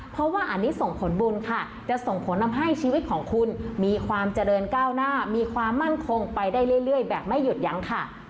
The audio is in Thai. เพราะว่าอันนี้ส่งผลบุญค่ะจะส่งผลทำให้ชีวิตของคุณมีความเจริญก้าวหน้ามีความมั่นคงไปได้เรื่อยแบบไม่หยุดยั้งค่ะ